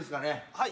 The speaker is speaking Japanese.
はい。